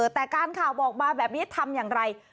แต่การข่าวบอกมาแบบนี้ทำอย่างไร